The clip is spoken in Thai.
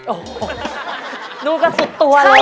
โอ้โหดูกันสุดตัวเลย